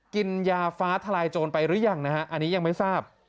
กินยาฟ้าทลายโจรไปหรือยังนะฮะอันนี้ยังไม่ทราบ